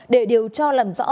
để điều cho làm rõ